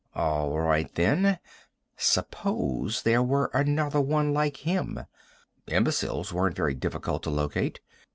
All right, then. Suppose there were another one like him. Imbeciles weren't very difficult to locate.